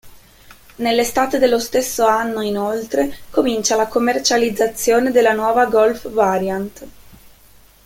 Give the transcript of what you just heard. Nell'estate dello stesso anno, inoltre, comincia la commercializzazione della nuova Golf "Variant".